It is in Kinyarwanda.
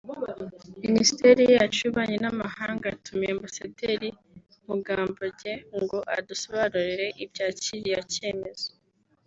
“ Minisiteri yacu y’ububanyi n’amahanga yatumiye Ambasaderi Mugambage ngo adusobanurire ibya kiriya cyemezo